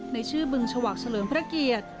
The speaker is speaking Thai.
ในชื่อบึงฉวากเฉลิมพระเกียรติ